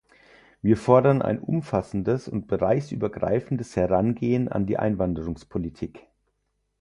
Wir fordern ein umfassendes und bereichsübergreifendes Herangehen an die Einwanderungspolitik.